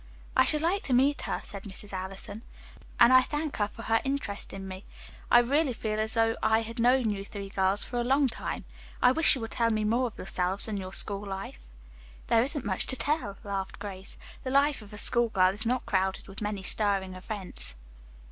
"I should like to meet her," said Mrs. Allison, "and I thank her for her interest in me. I really feel as though I had known you three girls for a long time. I wish you would tell me more of yourselves and your school life." "There isn't much to tell," laughed Grace. "The life of a school girl is not crowded with many stirring events."